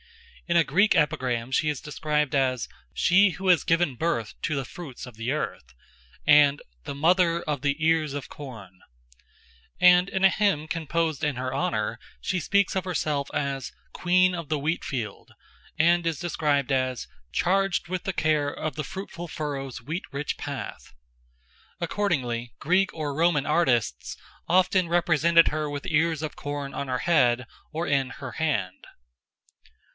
In a Greek epigram she is described as "she who has given birth to the fruits of the earth," and "the mother of the ears of corn"; and in a hymn composed in her honour she speaks of herself as "queen of the wheat field," and is described as "charged with the care of the fruitful furrow's wheat rich path." Accordingly, Greek or Roman artists often represented her with ears of corn on her head or in her hand.